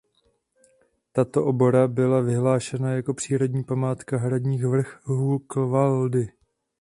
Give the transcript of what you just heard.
Tato obora byla vyhlášena jako přírodní památka Hradní vrch Hukvaldy.